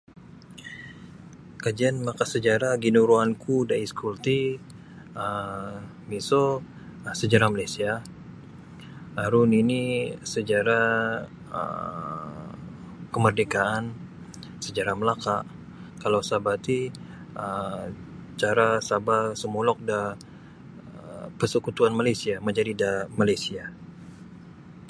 Kajian maka sajarah ginorongunku da iskul ti um miso um Sejarah Malaysia, aru nini sejarah um kemerdekaan, sejarah Melaka, kalau Sabah ti um cara Sabah sumoluk da persekutuan Malaysia, majadi da Malaysia.